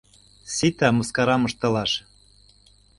— Сита, мыскарам ыштылаш!